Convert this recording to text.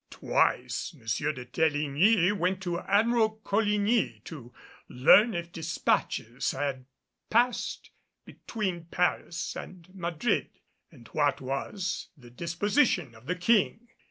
Twice M. de Teligny went to Admiral Coligny to learn if despatches had passed between Paris and Madrid and what was the disposition of the King.